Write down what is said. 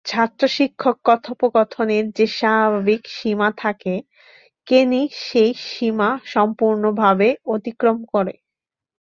ছাত্র-শিক্ষক কথোপকথনের যে স্বাভাবিক সীমা থাকে, কেনি সেই সীমারেখা সম্পূর্ণভাবে অতিক্রম করে।